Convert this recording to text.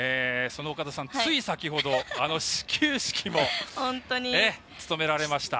その岡田さんつい先ほど、始球式も務められました。